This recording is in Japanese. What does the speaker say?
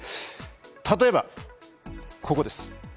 例えば、ここです。